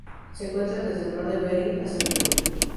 Se encuentra desde el Mar de Bering hasta el Perú.